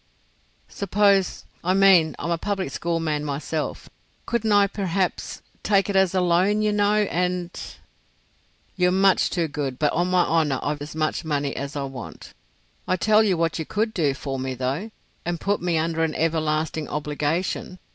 "Suppose—I mean I'm a public school man myself. Couldn't I perhaps—take it as a loan y'know and——" "You're much too good, but on my honour I've as much money as I want. ... I tell you what you could do for me, though, and put me under an everlasting obligation.